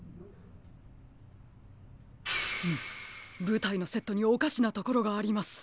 ぶたいのセットにおかしなところがあります。